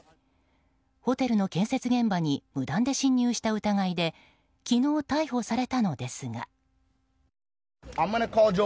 ホテルの建設現場に無断で侵入した疑いで昨日、逮捕されたのですが。